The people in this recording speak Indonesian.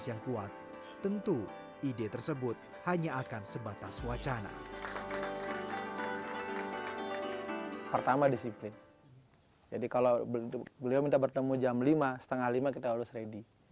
jadi kalau beliau minta bertemu jam lima setengah lima kita harus ready